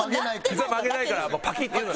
ひざ曲げないからパキっていうのね。